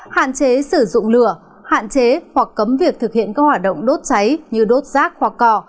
hạn chế sử dụng lửa hạn chế hoặc cấm việc thực hiện các hoạt động đốt cháy như đốt rác hoặc cò